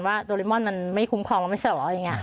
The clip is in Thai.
ว่าโดริมอนมันไม่คุ้มความแล้วไม่เฉิดหรออย่างเงี้ย